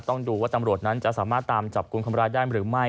ต้องดูว่าตำรวจนั้นจะสามารถตามจับกลุ่มคนร้ายได้หรือไม่